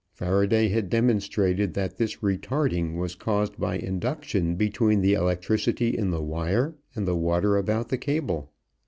Faraday had demonstrated that this retarding was caused by induction between the electricity in the wire and the water about the cable.